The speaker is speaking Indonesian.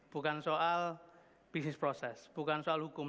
bukan soal bisnis proses bukan soal hukum